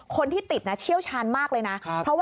คนที่ติดนะเชี่ยวชาญมากเลยนะ